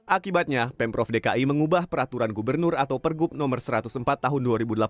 akibatnya pemprov dki mengubah peraturan gubernur atau pergub no satu ratus empat tahun dua ribu delapan belas